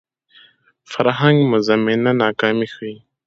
فرهنګ مزمنه ناکامي ښيي